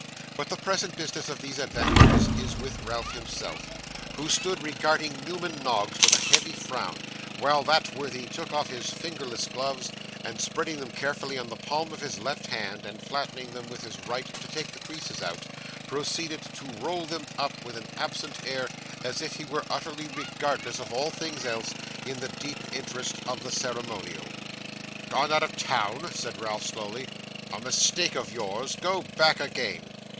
But the present business of these adventures is with Ralph himself, who stood regarding Newman Noggs with a heavy frown, while that worthy took off his fingerless gloves, and spreading them carefully on the palm of his left hand, and flattening them with his right to take the creases out, proceeded to roll them up with an absent air as if he were utterly regardless of all things else, in the deep interest of the ceremonial. 'Gone out of town!' said Ralph, slowly. 'A mistake of yours. Go back again.